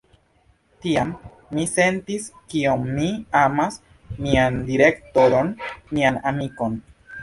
Tiam, mi sentis kiom mi amas mian direktoron, mian amikon.